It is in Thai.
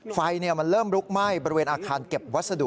ไฟมันเริ่มลุกไหม้บริเวณอาคารเก็บวัสดุ